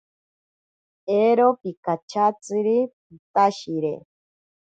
Ero pikachetziri pitashire.